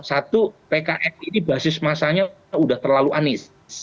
satu pks ini basis masanya sudah terlalu anies